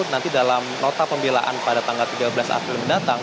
nanti dalam nota pembelaan pada tanggal tiga belas april mendatang